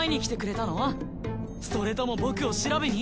それとも僕を調べに？